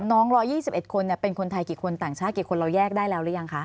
น้อง๑๒๑คนเป็นคนไทยกี่คนต่างชาติกี่คนเราแยกได้แล้วหรือยังคะ